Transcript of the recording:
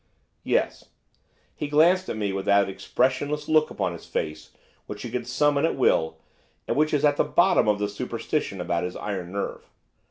'Yes.' He glanced at me with that expressionless look upon his face which he could summon at will, and which is at the bottom of the superstition about his iron nerve.